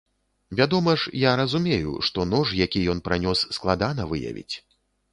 Вядома ж, я разумею, што нож, які ён пранёс, складана выявіць.